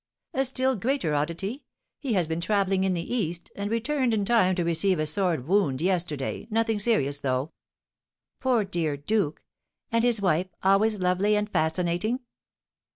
"A still greater oddity. He has been travelling in the East, and returned in time to receive a sword wound yesterday, nothing serious, though." "Poor dear duke! And his wife, always lovely and fascinating?"